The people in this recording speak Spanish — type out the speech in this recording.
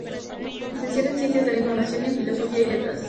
Licenciado en Ciencias de la Información y en Filosofía y Letras.